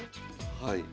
はい。